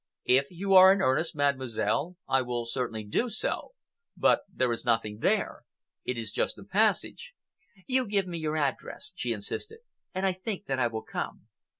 "If you are in earnest, Mademoiselle, I will certainly do so, but there is nothing there. It is just a passage." "You give me your address," she insisted, "and I think that I will come.